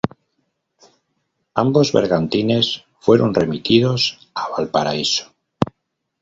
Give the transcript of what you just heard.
Ambos bergantines fueron remitidos a Valparaíso.